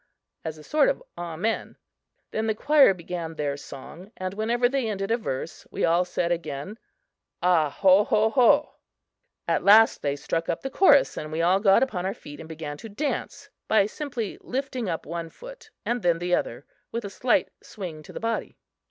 as a sort of amen. Then the choir began their song and whenever they ended a verse, we all said again "A ho ho ho!" At last they struck up the chorus and we all got upon our feet and began to dance, by simply lifting up one foot and then the other, with a slight swing to the body.